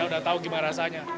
sudah tahu gimana rasanya